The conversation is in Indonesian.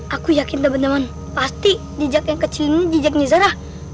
aku yakin temen temen pasti jijak yang kecil ini jijaknya zara